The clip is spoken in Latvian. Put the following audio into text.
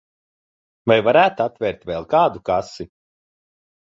Vai varētu atvērt vēl kādu kasi?